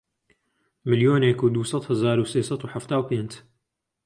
ملیۆنێک و دوو سەد هەزار و سێ سەد و حەفتا و پێنج